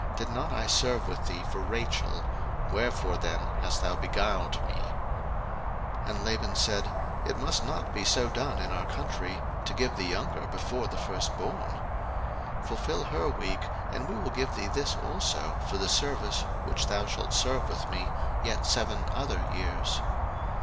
did not I serve with thee for Rachel? wherefore then hast thou beguiled me? 01:029:026 And Laban said, It must not be so done in our country, to give the younger before the firstborn. 01:029:027 Fulfil her week, and we will give thee this also for the service which thou shalt serve with me yet seven other years.